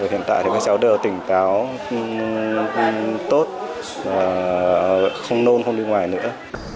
hiện tại thì các cháu đều tỉnh táo tốt không nôn không đi ngoài nữa